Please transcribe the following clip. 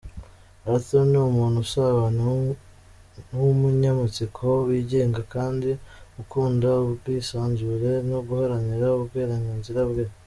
Arthur ni umuntu usabana w’umunyamatsiko, wigenga kandi ukunda ubwisanzure no guharanira uburenganzira bwe.